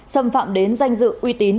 xâm phạm đến danh dự uy tín